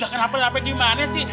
gak kena penahpeng gimana sih